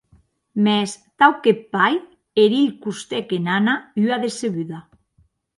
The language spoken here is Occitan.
Mès, tau qu'eth pair, eth hilh costèc en Anna ua decebuda.